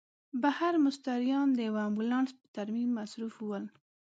بهر مستریان د یوه امبولانس په ترمیم مصروف ول.